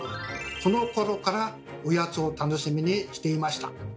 このころから御八つを楽しみにしていました。